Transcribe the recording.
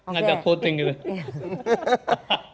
ngajak voting gitu